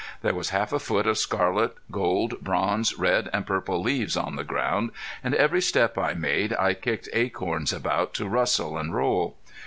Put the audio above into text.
There was half a foot of scarlet, gold, bronze, red and purple leaves on the ground, and every step I made I kicked acorns about to rustle and roll.